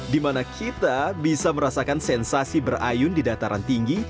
dimana kita bisa merasakan sensasi berayun di dataran tinggi